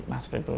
nah seperti itu